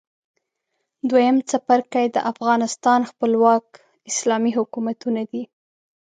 دویم څپرکی د افغانستان خپلواک اسلامي حکومتونه دي.